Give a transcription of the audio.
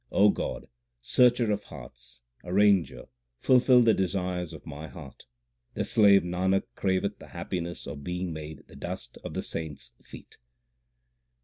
God, Searcher of hearts, Arranger, 3 fulfil the desires of my heart. The slave Nanak craveth the happiness of being made the dust, of the saints feet.